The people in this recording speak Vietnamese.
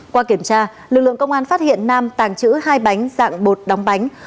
qua kiểm tra lực lượng công an phát hiện nam tàng trữ hai bánh dạng bột đóng bánh